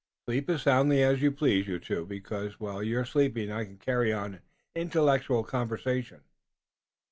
Sleep as soundly as you please, you two, because while you're sleeping I can carry on an intellectual conversation."